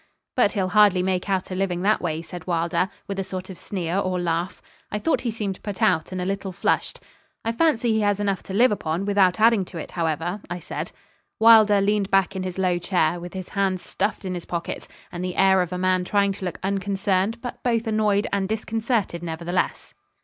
'But he'll hardly make out a living that way,' said Wylder, with a sort of sneer or laugh. I thought he seemed put out, and a little flushed. 'I fancy he has enough to live upon, without adding to it, however,' I said. Wylder leaned back in his low chair, with his hands stuffed in his pockets, and the air of a man trying to look unconcerned, but both annoyed and disconcerted nevertheless.